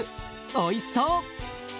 おいしそう！